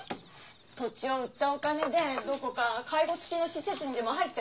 土地を売ったお金でどこか介護つきの施設にでも入って。